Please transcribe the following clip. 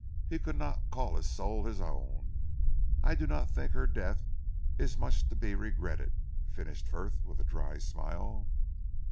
He could not call his soul his own. I do not think her death is much to be regretted," finished Frith with a dry smile.